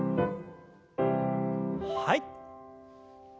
はい。